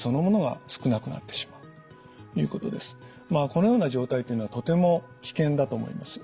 このような状態というのはとても危険だと思います。